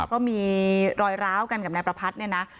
ก็มีรอยร้าวกันกับนายประพัทธ์เนี่ยนะ